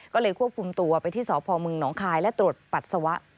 ก็เลยควบคุมตัวไปที่สพมหนองคายและตรวจปัสสาวะ